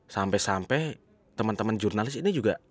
sampai sampai teman teman jurnalis ini juga